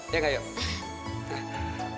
ya gak yuk